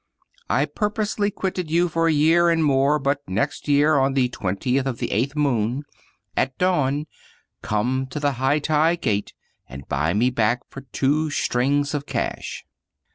I purposely quitted you for a year and more; but next year on the 20th of the eighth moon, at dawn, come to the Hai tai Gate and buy me back for two strings of cash."